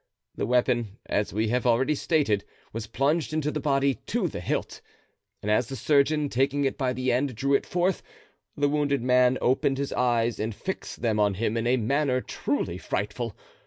The weapon, as we have already stated, was plunged into the body to the hilt, and as the surgeon, taking it by the end, drew it forth, the wounded man opened his eyes and fixed them on him in a manner truly frightful.